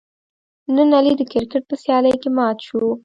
نن علي د کرکیټ په سیالۍ کې مات شو.